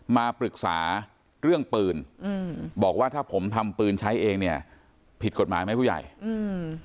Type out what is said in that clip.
มาปรึกษาเรื่องปืนอืมบอกว่าถ้าผมทำปืนใช้เองเนี่ยผิดกฎหมายไหมผู้ใหญ่อืม